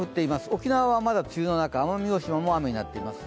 沖縄はまだ梅雨の中、奄美大島も雨になってます。